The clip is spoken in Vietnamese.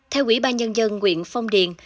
theo quỹ ban nhân dân huyện phong điền